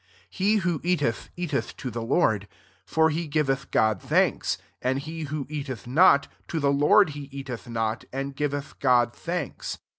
J He who eateth, eateth to ikt Lord ; for he giveth God thanks and he who eateth not, to the Lord he eateth not, and ^veth God thanks.